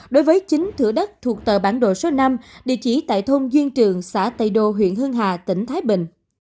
đối với chín thửa đất thuộc tờ bản đồ số năm địa chỉ tại thôn duyên trường xã tây đô huyện hưng hà tỉnh thái bình